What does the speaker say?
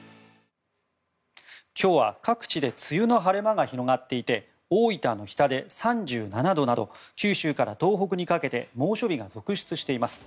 今日は各地で梅雨の晴れ間が広がっていて大分の日田で３７度など九州から東北にかけて猛暑日が続出しています。